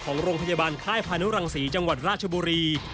ของโรงพยาบาลค่ายพานุรังศรีจังหวัดราชบุรี